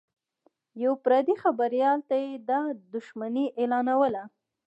یوه پردي خبریال ته یې دا دښمني اعلانوله